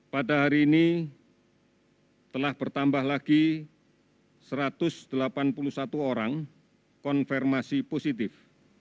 pada hari ini telah bertambah lagi satu ratus delapan puluh satu orang konfirmasi positif